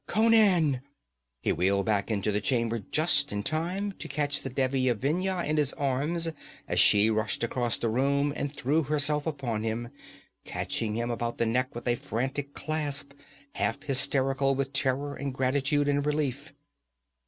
'Conan!' He wheeled back into the chamber just in time to catch the Devi of Vendhya in his arms as she rushed across the room and threw herself upon him, catching him about the neck with a frantic clasp, half hysterical with terror and gratitude and relief.